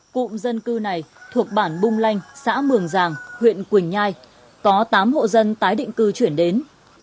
cụm dân cư này thuộc bản bung lanh xã mường giàng huyện quỳnh nhai có tám hộ dân tái định cư chuyển đến